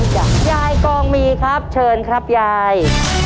ยายกองมีครับเชิญครับยาย